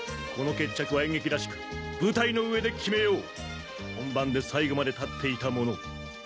この決着は演劇らしく舞台の上で決めよう本番で最後まで立っていたもの